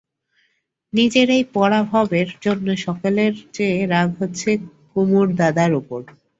নিজের এই পরাভবের জন্যে সকলের চেয়ে রাগ হচ্ছে কুমুর দাদার উপর।